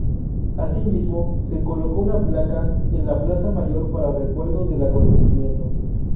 Asimismo, se colocó una placa en la Plaza Mayor para recuerdo del acontecimiento.